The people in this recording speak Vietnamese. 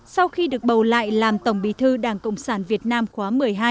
sau khi được bầu lại làm tổng bí thư đảng cộng sản việt nam khóa một mươi hai